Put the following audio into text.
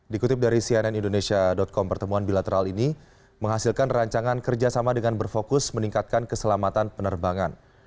dikutip dari cnn indonesia com pertemuan bilateral ini menghasilkan rancangan kerjasama dengan berfokus meningkatkan keselamatan penerbangan